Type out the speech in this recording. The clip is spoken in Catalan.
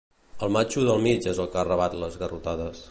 El matxo del mig és el que rebat les garrotades.